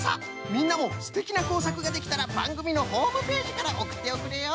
みんなもすてきなこうさくができたらばんぐみのホームページからおくっておくれよ。